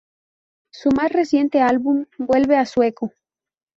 Su más reciente álbum vuelve a sueco.